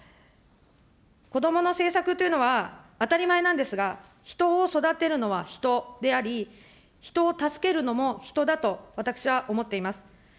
子どもの政策というのは、当たり前なんですが、人を育てるのは人であり、人を助けるのも人だと、私は思っています。